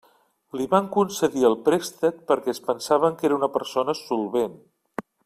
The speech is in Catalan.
Li van concedir el préstec perquè es pensaven que era una persona solvent.